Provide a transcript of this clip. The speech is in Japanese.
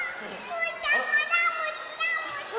うーたんもラブリーラブリー！